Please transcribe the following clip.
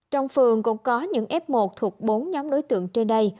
trong phường cũng có những f một thuộc bốn nhóm đối tượng trên đây